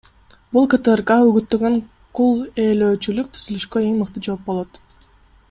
Бул КТРК үгүттөгөн кул ээлөөчүлүк түзүлүшкө эң мыкты жооп болот.